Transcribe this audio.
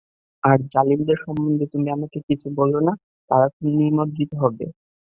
আর জালিমদের সম্বন্ধে তুমি আমাকে কিছু বলো না, তারা তো নিমজ্জিত হবে।